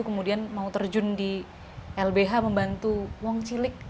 kemudian mau terjun di lbh membantu wong cilik